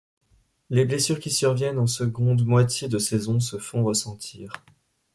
Les blessures qui surviennent en seconde moitié de saison se font ressentir.